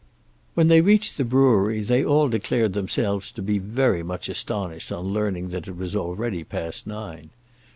When they reached the brewery they all declared themselves to be very much astonished on learning that it was already past nine.